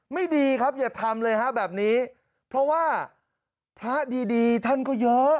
ไม่ดีครับอย่าทำเลยฮะแบบนี้เพราะว่าพระดีดีท่านก็เยอะ